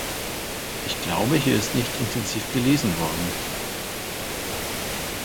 Ich glaube, hier ist nicht intensiv gelesen worden.